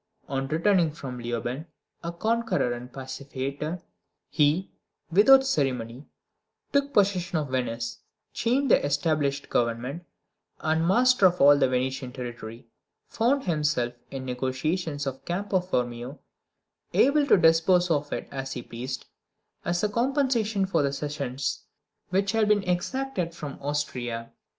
On returning from Leoben, a conqueror and pacificator, he, without ceremony, took possession of Venice, changed the established government, and, master of all the Venetian territory, found himself, in the negotiations of Campo Formio, able to dispose of it as he pleased, as a compensation for the cessions which had been exacted from Austria.